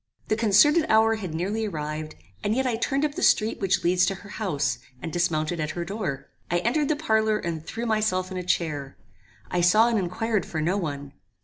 The concerted hour had nearly arrived, and yet I turned up the street which leads to her house, and dismounted at her door. I entered the parlour and threw myself in a chair. I saw and inquired for no one.